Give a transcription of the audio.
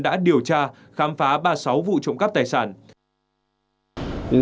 đã điều tra khám phá ba mươi sáu vụ trộm cắp tài sản